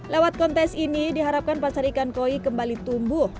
lewat kontes ini diharapkan pasar ikan koi kembali tumbuh